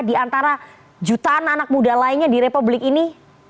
di antara jutaan anak muda lainnya di republik ini